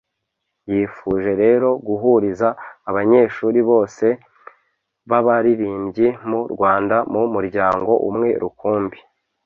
Yifuje rero guhuriza abanyeshuri bose b'abaririmbyi mu Rwanda mu muryango umwe rukumbi.